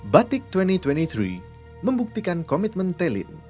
batik dua ribu dua puluh tiga membuktikan komitmen telin